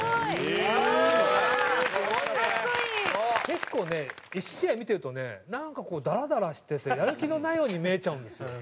結構ね１試合見てるとねなんかこうダラダラしててやる気のないように見えちゃうんですよ。